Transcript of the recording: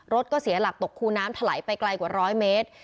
รถก็เสียหลักตกคูน้ำถลายไปไกลกว่า๑๐๐เมตร